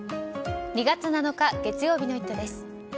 ２月７日月曜日の「イット！」です。